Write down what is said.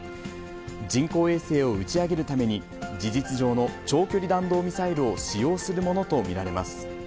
人工衛星を打ち上げるために、事実上の長距離弾道ミサイルを使用するものと見られます。